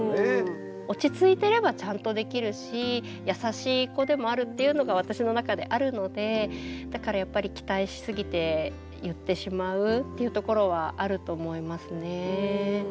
落ち着いてればちゃんとできるし優しい子でもあるっていうのが私の中であるのでだからやっぱり期待しすぎて言ってしまうっていうところはあると思いますね。